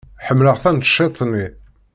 Ḥemmleɣ taneččit-nni.